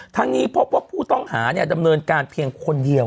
ทั้งนี้พบว่าผู้ต้องหาดำเนินการเพียงคนเดียว